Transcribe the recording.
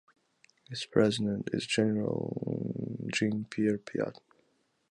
Its President is General Jean-Pierre Piat.